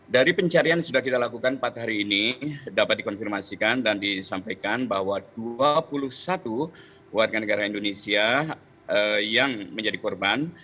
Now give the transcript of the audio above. dari pencarian sudah kita lakukan empat hari ini dapat dikonfirmasikan dan disampaikan bahwa dua puluh satu warga negara indonesia yang menjadi korban